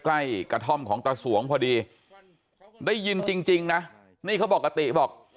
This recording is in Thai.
ใกล้กระท่อมของตาสวงพอดีได้ยินจริงนะนี่เขาบอกกะติบอก